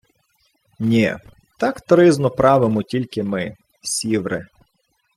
— Нє, так тризну правимо тільки ми, сіври!